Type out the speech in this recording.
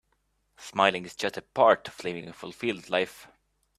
Smiling is just part of living a fulfilled life.